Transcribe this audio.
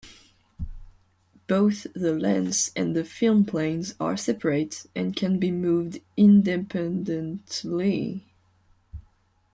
Both the lens and the film planes are separate and can be moved independently.